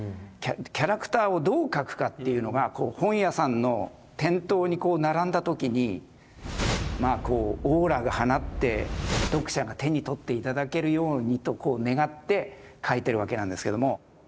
キャラクターをどう描くかっていうのが本屋さんの店頭に並んだ時にオーラが放って読者が手に取って頂けるようにと願って描いてるわけなんですけども。